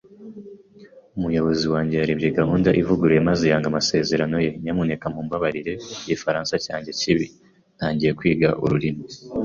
Umuyobozi wanjye yarebye gahunda ivuguruye maze yanga amasezerano ye. Nyamuneka mumbabarire igifaransa cyanjye kibi. Ntangiye kwiga ururimi.